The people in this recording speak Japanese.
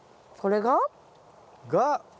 これが？が。